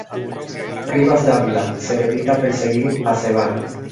Rivas Dávila se dedica a perseguir a Ceballos.